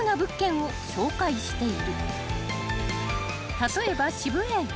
［例えば渋谷駅］